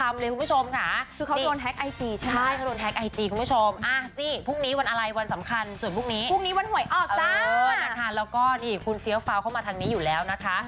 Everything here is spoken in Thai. เมื่อเจ้าตัวเฟี้ยวฟ้าวเข้ามาทางนี้อยู่แล้วนะคะ